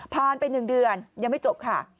ไป๑เดือนยังไม่จบค่ะ